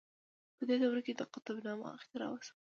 په دې دوره کې د قطب نماء اختراع وشوه.